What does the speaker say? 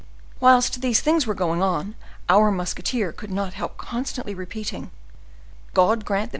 Whilst these things were going on, our musketeer could not help constantly repeating,— "God grant that M.